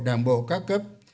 đảng bộ các cấp